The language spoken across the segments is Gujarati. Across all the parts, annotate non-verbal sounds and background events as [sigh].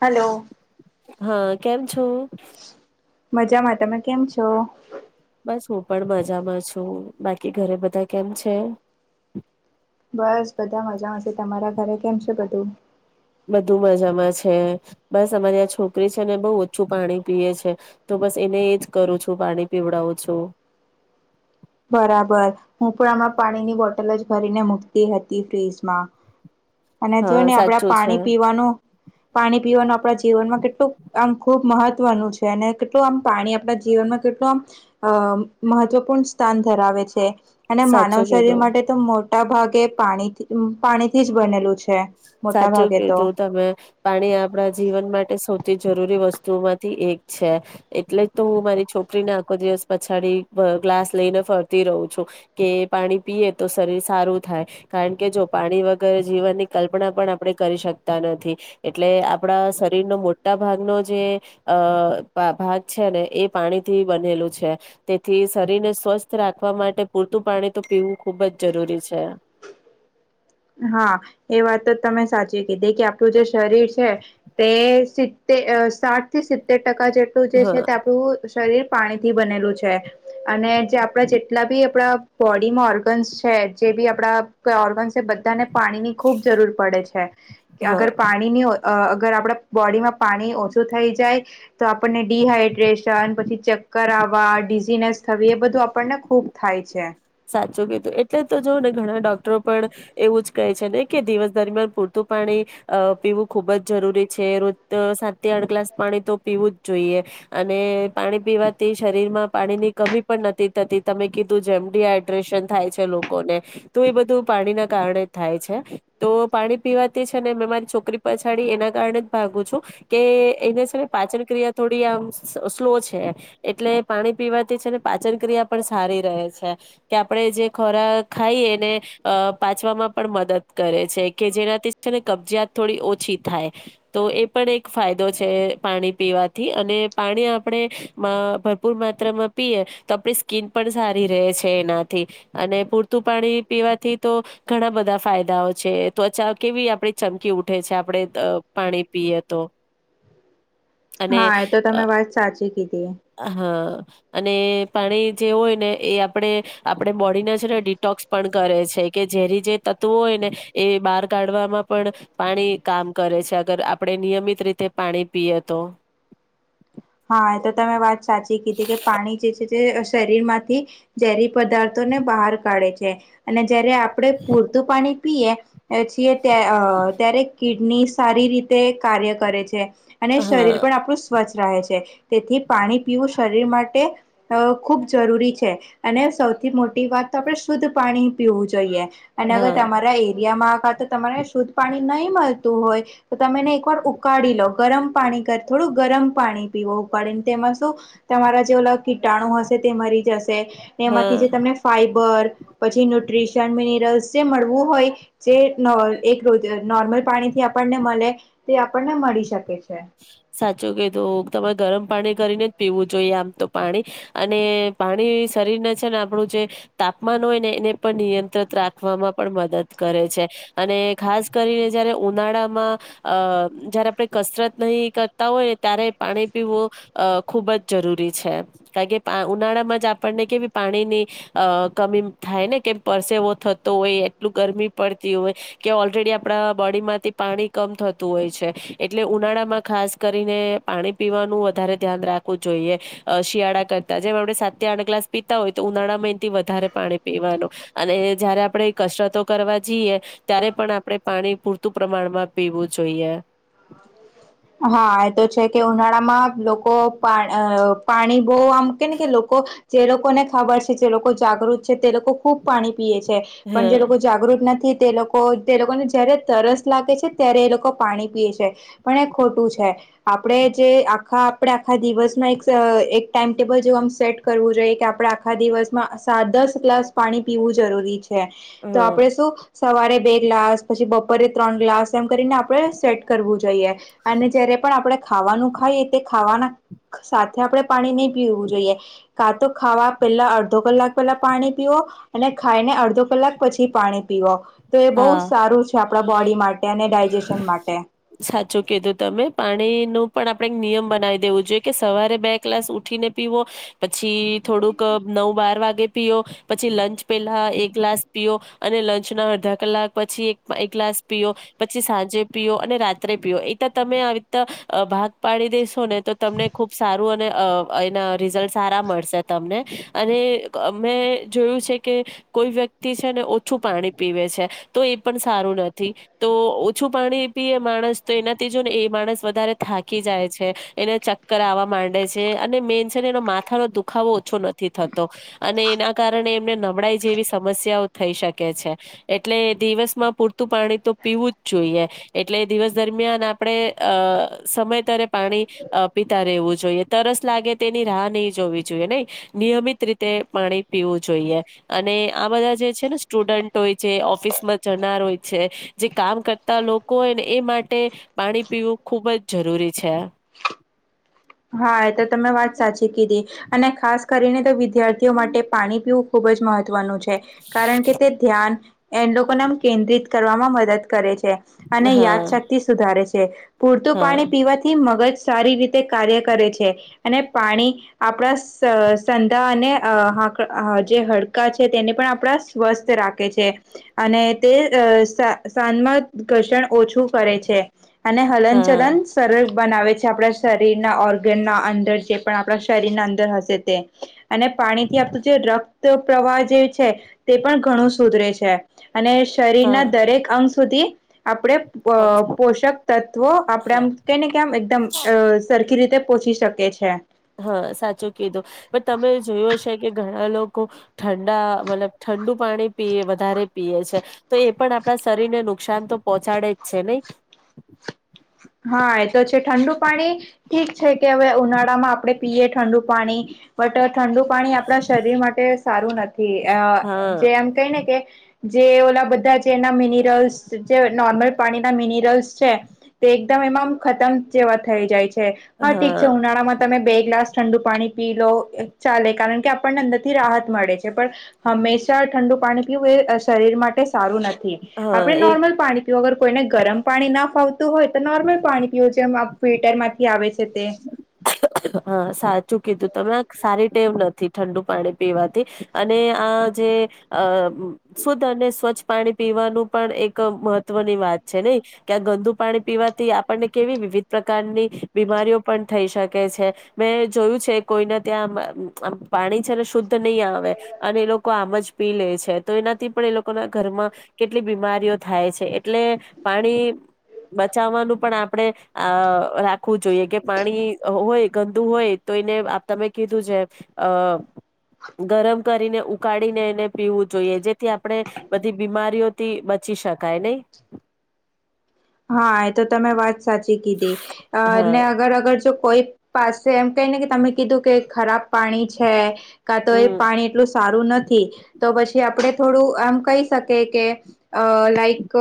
હલો. હા કેમ છે? મજામાં તમે કેમ છો? હું પણ મજામાં છું બાકી ઘરે બધા કેમ છે. બસ બધા મજા હશે તમારા ઘરે કેમ છે બધું. બધું મજામાં છે બસ અમારી આ છોકરી છે ને બહુ ઓછું પાણી પીએ છે. બસ એને એજ કરું છું પાણી પીવડાવું છું. બરાબર હું પણણામાં પાણી ની બોટલ જ ભરીને મૂકતી હતી ફ્રીજમાં. અને જોઈ હા ને આપણે સાચું છે પાણી પીવાનું પાણી પીવાનું આપણા જીવનમાં કેટલું આમ ખુબ મહ ત્વ છે અને કેટલું આમ પાણી આપણા જીવનમાં કેટલું આમ અ મહત્વપૂર્ણ સ્થાન ધરાવે છે. અને માનવ સાચું શરીર કીધું માટે તો મોટા ભાગે પાણી પાણીથી જ બનેલું છે. મોટા સાચું ભાગે પ જો તો તમે પાણી આપણા જીવન માટે સૌથી જરૂરી વસ્તુઓમાંથી એક છે એટલે જ તો હું મારી છોકરીને આખો દિવસ પછાડી પ ગ્લાસ લઈને ફરતી રહું છું કે પાણી પીએ તો શરીર સારું થાય કારણ કે જો પાણી વગેરે જીવનની કલ્પના પણ આપણે કરી શકતા નથી એટલે આપણા શરીરનોો મોટા ભાગનો જે અ ભાગ છે ને એ પાણીથી બનેલું છે તેથી શરીર ને સ્વસ્થ રાખવા માટે પૂરતું પાણી તો પીવું ખૂબ જ જરૂરી છે. હા એ વાત તો તમે સાચી કીધી કે આપણું જે શરીર છે તે સીતે અ સાથ થી સિત્તેર ટકા જેટલું જે છે હા તે આપણું શરીર પાણીથી બનેલું છે અને જે આપડા જેટલા બી આપણા બોડીમાં ઓર્ગન્સ છે. જે બી આપડા ઓર્ગન છે બ બધાને પાણી ની ખૂબ જરૂર પડે છે હા અગર પાણીની હો અ અગર આપણા બોડીમાં પાણી ઓછું થઈ જાય તો આપણને ડડીહાઈડ્રેશ ન પછી ચક્કર આવવા બિઝીનેસ થવી એ બધું આપણને ખુબ થાય છે. સાચું કીધું એટલે તો જો ને ઘણા ડોક્ટરો પણ એવું જ કહે છે ને કે દિવસ દરમિયાન પૂરતું પાણી પીવું ખુબ જ જરૂરી છે રોજ સાત થી આઠ ગ્લાસ પાણી તો પીવું જ જોઈએ અ અને પાણી પીવાથી શરીર માં પાણીની કમી પણ નથી થતી તમે કીધું જેમ. ડીહાડ્રેશન થાય છે લોકોને તો એ બધું પાણીના કારણે જ થાય છે તો પાણી પી વા ને મે મારી છોકરી પછાડી એના કારણે જ ભાગું છું કે એને છે ને પાચન ક્રિયા થોડી ક્રિયામ સ્લો છે એટલે પાણી પીવાથી છેને પાચન ક્રિયા પણ સારી રહે છે. કે આપરે જે ખોરાક ખાઈએ ને અ પાચવામાં પણ મદદ કરે છેકે જેને કબજીયાત થોડી ઓછી થાય તો એ પણ એક ફાયદો છે પાણી પીવાથી અને પાણી આપડે અ ભરપૂર માત્રામાં પીએ તો આપણી સ્કીન પણ સારી રહે છે. એનાથી અને પૂરતું પાણી પીવાથી તો ઘણાં બધાં ફાયદાઓ છે ત્વચા કેવી આપરી ચમકી ઉઠે છે આપડે પાણી પીએ તો. અને હા એતો અ તમે વાત સાચી કી હા. અને પાણી જે હોયને એ આપડે આપડે બોડીના છેને ડિટોક્સ પણ કરે છે. કે ઝેરી જે તત્વો હોયને એ બાર કાઢવામાં પણ પાણી કામ કરે છે અગર આપ આપડે નિયમિત રીતે પાણી પીએ તો હા એતો તમે વાત સાચી કીધી કે પાણી જે છે તે શરીર માંથી ઝેરી પદાર્થો ને બહાર કાઢે છે અને જયારે આપડે પૂરતું પાણી પીએ છીએ ત્યા અ ત્યારે કિડની સારી રીતે કાર્ય કરે છે અને શરીર હા પણ આપણું સ્વચ્છ રહે છે. તેથી પાણી પીવું શરીર માટે અ ખૂબ જરૂરી છે અને સૌથી મો એક વાત તો આપરે શુદ્ધ પાણી પીવું જોઈએ અને અગર હા તમારા એરિયામાં હતો તમારે શુદ્ધ પાણી નય મળતું હોય તો તમે એને એક વાર ઉકાળીલો ગરમ પાણી કર થોડું ગરમ પાણી પીવું પડે તેમાં શું તમારા જેઓ કીટાણું હશે તે મરી જશ એમાંથી હા જે તમને ફાઈબર પછી ન્યુટ્રીશન, મિનિરલ્સ જે મળવું હોય જે અ એક નોર્મલ પાણી આપણને મલે તે આપણને મળી શકે છે. સાચ જોકે તો તમે ગરમ પાણી કરીને જ પીવું જોઈએ આમતો પાણી અને પાણી શરીર ને છેને આપણું જે તાપમાન હોયને એને પણ નિયંત્રિત રાખવામાં પણ મદદ કરે છે. અને ખાસ કરીને જયારે ઉનાળામાં અ જયારે આપણે કસરત નહી કરતા હોય ત્યારે પાણી પીવું અ ખૂબ જ જરૂરી છે કાઇ કે ઉનાળા આપણને કેવી પાણીની અ કમી થાયને કે પરસેવો થતો હોય એટલું ગર મી પડતી હોય કે ઓલરેડી આપરા બોડી માંથી પાણી કમ થતું હોય છે એટલે ઉનાળા માં ખાસ કરીને પાણી પીવાનું વધારે ધ્યાન રાખવું જોઈએ અ શિયાળા કરતા જેમ આપડે સા આઠ ગ્લાસ પીતા હોય તો ઉનાળા મેંયથી વધારે પાણી પીવાનું અને જયારે આપરે કસરતો કરવા વા જીએ ત્યારે પણ આપરે પાણી પૂરતું પ્રમાણમાં પીવું જોઈએ. હા, એતો છેકે ઉનાળામાં લોકો પા અ પાણી બો આમ કેને કે લોકો જે લોકોને ખબર છે જે લોકો જાગૃત છે તે લોકો ખૂબ પાણી પીએ છે હ પણ જે લોકો જાગૃત નથી તે લોકો તે લોકોને જયારે તરસ લાગે છે ત્યારે એ લોકો પાણી પીએ છે પણ એ ખોટું છે, આપરે જે આખા આપરે આખા દિવસમાં એક એક ટાઈમટેબલ જો આમ સેટ કરવું જોઈએ કે આપરે આખા દિવસમાં સાત દસ ગ્લાસ પાણી પીવું જરૂરી છે. હ તો આપરે શું. સવારે બે ગ્લાસ પછી બપોરે ત્રણ ગ્લાસ એમ કરીને આપરે સેટ કરવું જોઈએ. અને જયારે પણ આપરે ખાવાનું ખાઈએ તે ખાવાના સાથે આપડે પાણી નય પીવું જોઈએ કાંતો ખાવા પેલા અડધો કલાક પેલા પાણી પીવો અને ખાઈને અડધો કલાક પછી પાણી પીવો. તો એ બહુ હા સારું છે આપરા બોડી માટે અને ડાયજેશન માટે. જોકે તો તમે પાણીનું પણ આપણે એક નિયમ બનાવી દેવું જોઈએ કે સવારે બે ક્લાસ ઉઠીને પીવો પછી થોડુંક અ નવ બાર વાગે પીયો પછી લંચ પેલ્લા એક ગ્લાસ પીઓ. અને લંચના અડધા કલાક પછી એક એક ગ્લાસ પીઓ પછી સાંજે પીઓ અને રાત્રે પીઓ એતો તમે આવીતા ભાગ પાડી દેેશોને તો તમને ખૂબ સારું અને અ એના રિઝલ્ટ સારા મળશે તમને અને મેં જોયું છેકે કોઈ વ્યક્તિ છે ને ઓછું પાણી પીવે છે. તો એ પણ સારું નથી તો ઓછું પાણી પીએ માણસ તો એનાથી જો ને એ માણસ વધારે થાકી જાય છે એને ચક્કર આવવા માંડે છે અને મેન છે ને એનો માથા ન દુખાવો ઓછો નથી નથી થતો અને એના કારણે એમને નબળાઈ જેવી સમસ્યાઓ થઈ શકે છે. એટલે દિવસમાં પૂરતું પાણી તો પીવું જ જોઈએ એટલે દિવસ દરમિયાન આપડણે અ સમય તરે પાણી પીતા રહેવું જોઈએ તરસ લાગે તેની રાહ નહી જોવી જોઈએ નહી. નિયમિત રીતે પાણી પીવું જોઈએ અને આ બધા જે છે ને સ્ટુડન્ટો જે ઓફિસમાં જનાર હોય છે જે કામ કરતા લોકો હોય ને એ માટે પાણી પીવું ખૂબ જ જરૂરી છે. હા એ તો તમે વાત સાચી કીધી અને ખાસ કરીને તો વિદ્યાર્થીઓ માટે પાણી પીવું ખૂબ જ મહત્વનું છે કારણ કે તે ધ્યાન એ લોકોને કેન્દ્રિત કરવામાં મદદ કરે છે. અને હા યાદશક્તિ સુધારે છે પૂરતું હા પાણી પીવાથી મગજ સારી રીતે કાર્ય કરે છે અને પાણી આપણા સંધા અને જે હડકા છે તેને પણ આપણા સ્વસ્થ રાખે છે અને તે સાજમાં ઘર્ષણ ઓછું કરે છે અને હા હલનચલન સરળ બનાવે છે આપણા શરીર શરીર ઓર્ગન ના અંદર જે પણ આપણા શરીરના અંદર હશે તે અને પાણીથી આપણું જે ર રક્ત પ્રવાહ જે છે તે પણ ઘણું સુધરે છે. અને હા શરીરના દરેક અંગ સુધી આપણે અ પોષક તત્વો આપણે હા આમ કે ને કે આમ એકદમ અ સરખી રીતે પોહોચી શકે છે હા સાચું કીધું પણ તમે જોયું હ છે કે ઘણા લોકો ઠંડા મતલબ ઠંડુ પાણી પી વધારે પીએ છે તો એ પણ આપણા શરીરને નુકસાન તો પહોંચાડે જ છે નહી. [inaudible] હા એ તો છે ઠંડુ પાણી ઠીક છે કે હવે ઉનાળામાં આપણે પીએ ઠંડુ પાણી બટ ઠંડુ પાણી આપણા શરીર માટે સારું નથી અ હા જે એમ કઈને કે જે ઓલા બધા જેના મિનરલ્સ જે નોર્મલ પાણીના મિનરલ્સ છે તે એકદમ એમાં ખતમ જેવા થઈ જાય છે હા ઠીક છે ઉનાળામાં તમે બે ગ્લાસ ઠંડુ પાણી પી લો ચાલે કારણ કે આપણને અંદર થી રાહત મળે છે. પણ હંમેશા ઠંડુ પાણી પીવું એ શરીર માટે સારું નથી હા આપણે એ નોર્મલ પાણી પીવું અગર કોઈને ગરમ પાણી ના ફાવ હોય તો નોર્મલ પાણી પીવું જેમ ફિલ્ટરમાંથી આવે છે તે. હા સાચું કીધું તમે આ સારી ટેવ નથી ઠંડુ પાણી પીવાથી અને આ જે શુદ્ધ અને સ્વચ્છ પાણી પીવાનું પણ એક મહત્વની વાત છે. ન કે ગંદુ પાણી પીવાથી આપણને કેવી વિવિધ પ્રકારની બીમારીઓ પણ થઈ શકે. છે મેં જોયું છે કોઈને ત્યાં પાણી છે ને શુદ્ધ નહીં આવે અને લોકો આમ જ પી લે છે તો એનાથી પણ એ લોકોના ઘરમાં કેટલી બીમારીઓ થાય છે એટલે પાણી બચાવવાનું પણ આપણે આ રાખવું જોઈએ કે પાણી હોય ગંદુ હોય તો એને તમે કીધું છે અ ગરમ કરીને ઉકાળીને એને પીવું જોઈએ જેથી આપણે બધી બીમારીઓથી બચ શી શા કઈ નહી હા એ તો તમે વાત સાચી કીધી અને હા અગર અગર જો કોઈ પાસે એમ કઈ ને કે તમે કીધું કે ખરાબ પાણી છે. કા તો એ હમ પાણી એટલું સારું નથી તો પછી આપણે થોડું આમ કહી શકી કે લાઈક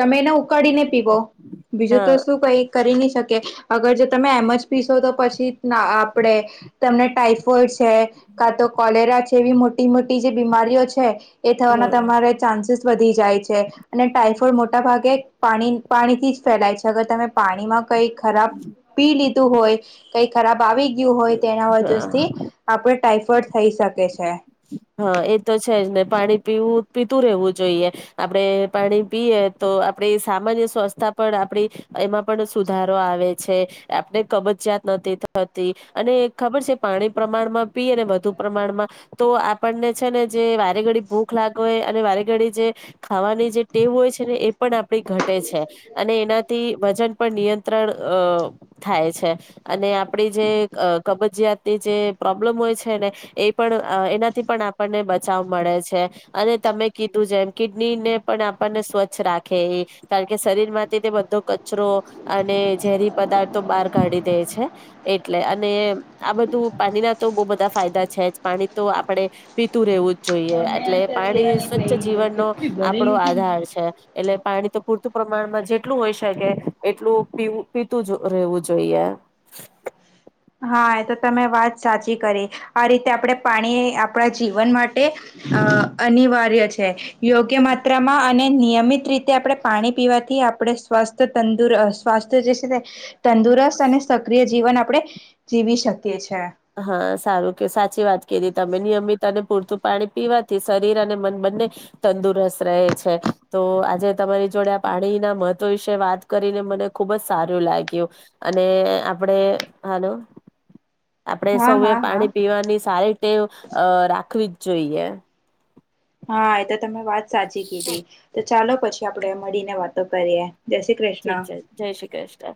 તમેને ઉકાળને પીવો બીજું તો હા શું કઈ કરી નહી શકે અગર જો તમે એમ જ પીશો તો પછી ના આપણેે તમને ટાઈ ડ છે કા તો કોલેરા છે એવી મોટી મોટી જે બીમારીઓ છે. એ થવાના હ તમારે ચાન્સીસ વધી જાય છે અને ટાઈફોઇડ મોટા ભાગે પાણી પાણી થી જ ફેલાય છે અગર તમે પાણીમાં કઈ ખરાબ પી લીધું હોય કઈ ખરાબ વાવી ગયું હોય તેના હ વજથી આપડ ટાઈફોઈડ થઈ શકે છે હ હા એ તો છે જ ને પાણી પીવું પીતું રહેવું જોઈએ આપડે પાણી પીએ તો આપ સામાન્ય સ્વસ્થતા પર આપડી એમાં પણ સુધારો આવે છે આપણે કબજયાત અને ખબર છે પાણી પ્રમાણમાં પી અને વધુ પ્રમાણમાં તો આપણને છે ને જે વારે ઘડી ભૂખ લાગ હોય અને વારે ઘડી જે ખાવાની જે ટેવ હોય એ પણ આપડી ઘટે છે અને એનાથી વજન પર નિયંત્રણ અ થાય છે અને આપણી જે કબજીયાતની જે પ્રોબ્લેમ હોય છે ને એ પણ અ એનાથી પણ આપણને બચાવ મળે છે અને તમે કીધું જેમ કિડની ને પણ આપણને સ્વચ્છ રાખે એ કારણ કે શરીર માંથી તે બધો કચરો અને ઝેરી પદાર્થો કાઢી દે છે એટલે અને આ બધું પાણીના તો બહ બધા ફાયદા છે પાણી તો આપડે પીતું રહેવું જ જોઈએ મેં એટલે અત્યારે પાણી લેવાની સ્વચ્છ ગયેલી જીવન નો કેટલી ભરેલી આપડો ને આધાર છે એટલે પાણી તો પૂરતું પ્રમાણમાં જેટલું હોય શકે એટલું પીું પીતું રહેવું જોઈએ હા એ તો તમે વાત સાચી કરી આ રીતે આપણે પાણી આપણા જીવન માટે અ અનિવાર્ય છે યોગ્ય માત્રામાં અને નિયમિત રીતે આપણે પાણી પીવાથી આપણે સ્વાસ્થ તંદુર સ્વાસ્થ જે છે ને તંદુરસ્ત અને સક્રિય જીવન આપણે જીવી શકીએ. છે હા સારું કે સાચી વાત કધી તમે નિયમિત અને પૂરતું પાણી પીવાથી શરીર અને મન બંને તંદુરસ્ત રહે છે તો આજે તમારી જોડે પાણીના મહત્વ વિશે વાત કરીને મને ખુબ જ સારું લાગ્યું અને આપણે હાલો? આપણે હા સૌએ હા હા પાણી પીવાની સારીીતેટે રાખવી જ જોઈએ. હા એ તો તમે વાત સાચી કીધી તો ચાલો પછી આપડે મળીને વાતો કરીએ. જય શ્રી ઠીક કૃષ્ણ છે જય શ્રી કૃષ્ણ.